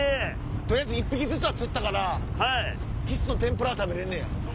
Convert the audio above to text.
取りあえず１匹ずつは釣ったからキスの天ぷらは食べれんねや。